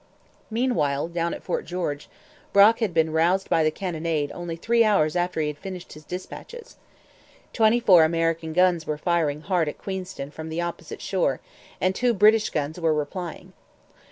Meanwhile, down at Fort George, Brock had been roused by the cannonade only three hours after he had finished his dispatches. Twenty four American guns were firing hard at Queenston from the opposite shore and two British guns were replying.